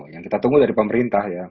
yang kita tunggu dari pemerintah ya